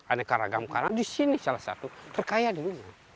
anehkaragam karang di sini salah satu terkaya di dunia